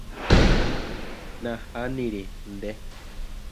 Nahániri. Nde.